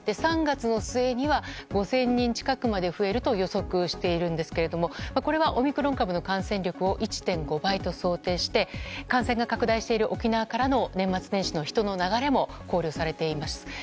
３月の末には５０００人近くまで増えると予測しているんですけどもこれはオミクロン株の感染力を１．５倍と想定して感染が拡大している沖縄からの年末年始の人の流れも考慮されています。